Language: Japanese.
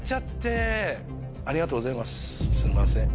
すんません。